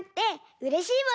うれしいもの